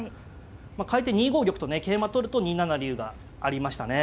まあかえて２五玉とね桂馬取ると２七竜がありましたね。